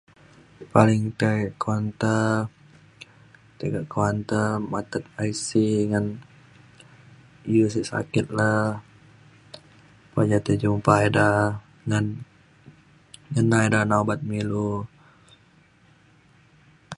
paling tai kaunter ti kak kaunter matet IC ngan iu sek sakit le. po ja tai jumpa ida ngan ngena ida nak ubat me ilu.